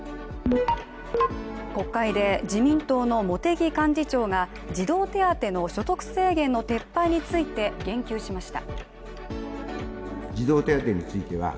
国会で、自民党の茂木幹事長が児童手当の所得制限の撤廃について言及しました。